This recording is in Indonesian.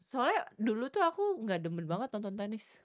soalnya dulu tuh aku gak demen banget nonton tenis